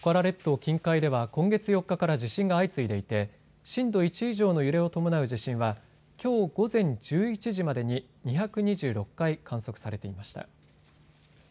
近海では今月４日から地震が相次いでいて震度１以上の揺れを伴う地震はきょう午前１１時までに２２６回観測されていました。